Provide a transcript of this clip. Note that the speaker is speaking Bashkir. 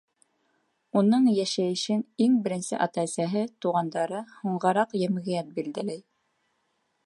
Уның йәшәйешен иң беренсе ата-әсәһе, туғандары, һуңғараҡ йәмғиәт билдәләй.